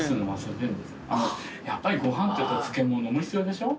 やっぱりご飯というと漬物も必要でしょ。